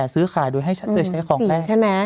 ๔๘ซื้อขายด้วยให้ใช้ของแน่